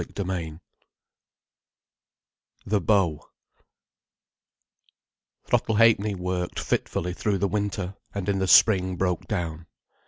CHAPTER V THE BEAU Throttle Ha'penny worked fitfully through the winter, and in the spring broke down.